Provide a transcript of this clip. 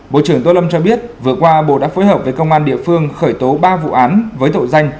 bộ trưởng tô lâm cho biết vừa qua bộ đã phối hợp với công an địa phương khởi tố ba vụ án với tội danh